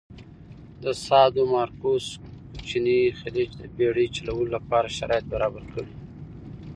د سادومارکوس کوچینی خلیج د بېړی چلولو لپاره شرایط برابر کړي.